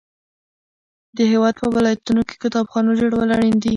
د هیواد په ولایتونو کې کتابخانو جوړول اړین دي.